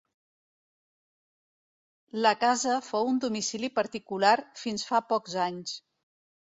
La casa fou un domicili particular fins fa pocs anys.